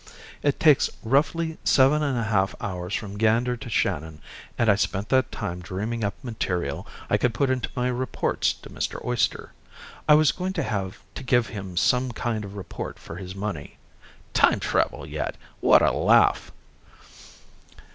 It takes roughly seven and a half hours from Gander to Shannon and I spent that time dreaming up material I could put into my reports to Mr. Oyster. I was going to have to give him some kind of report for his money. Time travel yet! What a laugh!